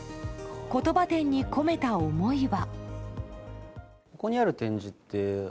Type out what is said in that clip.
「言葉展」に込めた思いは。